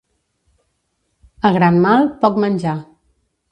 A gran mal, poc menjar.